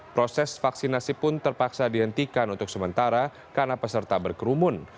proses vaksinasi pun terpaksa dihentikan untuk sementara karena peserta berkerumun